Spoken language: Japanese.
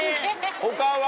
他は？